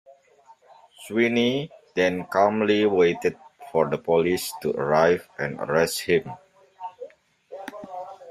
Sweeney then calmly waited for the police to arrive and arrest him.